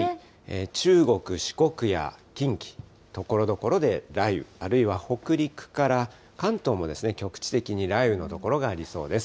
中国、四国や近畿、ところどころで雷雨、あるいは北陸から関東も、局地的に雷雨の所がありそうです。